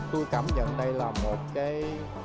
tôi cảm nhận đây là một cái